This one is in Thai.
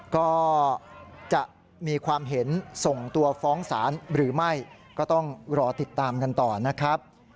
ก็จะมีความเห็นส่งตัวฟ้องศาลหรือไม่ก็ต้องรอติดตามกันต่อนะครับ